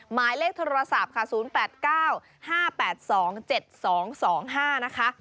หมายเลขโทรศัพท์ค่ะ๐๘๙๕๘๒๗๒๒๕นะคะ